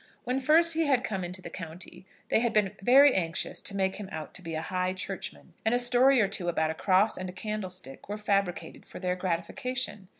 When first he had come into the county, they had been very anxious to make him out to be a High Churchman, and a story or two about a cross and a candlestick were fabricated for their gratification.